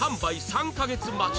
３カ月待ち